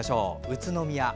宇都宮。